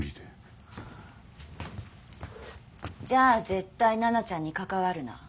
じゃあ絶対奈々ちゃんに関わるな。